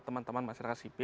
teman teman masyarakat sip